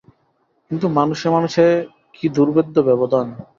কিন্তু মানুষে মানুষে কী দুর্ভেদ্য ব্যবধান!